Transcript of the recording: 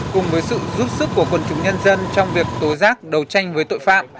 cùng với sự giúp sức của quần chúng nhân dân trong việc tối giác đầu tranh với tội phạm